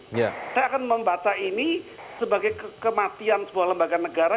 saya akan membaca ini sebagai kematian sebuah lembaga negara